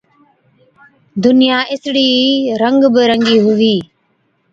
دُنِيا اُسڙِي ئي رنگ بہ رنگِي هُوِي۔